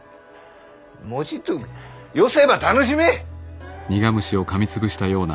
もちっと余生ば楽しめ！